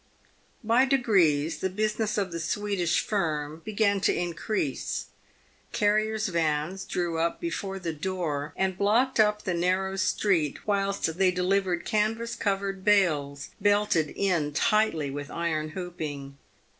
By degrees the business of the Swedish firm began to increase. Carriers' vans drew up before the door, and blocked up the narrow street whilst they delivered canvas covered bales, belted in tightly with iron hooping.